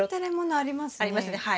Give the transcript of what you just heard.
ありますねはい。